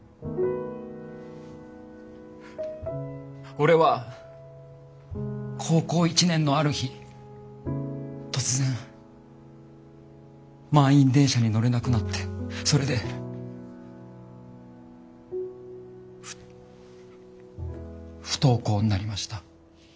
俺は高校１年のある日突然満員電車に乗れなくなってそれでふ不登校になりました。